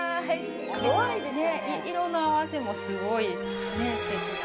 色の合わせもすごいすてきな。